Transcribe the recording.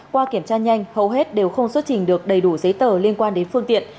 qua kiểm tra nhanh hầu hết đều không xuất trình được đầy đủ giấy tờ liên quan đến phương tiện